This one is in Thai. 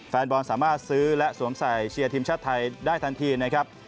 แฟนบอลสามารถซื้อและสวมใส่เชียร์ทีมชาติไทยได้ทันทีนะครับ